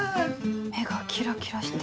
目がキラキラしてる。